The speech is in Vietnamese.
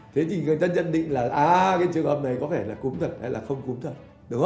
thế thì người ta nhận định là trường hợp này có thể là cúm thật hay không cúm thật